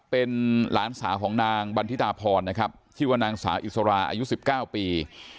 เป็นหลานสาวของนางบันทิตาพรนะครับชื่อว่านางสาวอิสราอายุ๑๙ปี